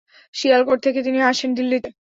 শিয়ালকোট থেকে তিনি আসেন দিল্লিতে।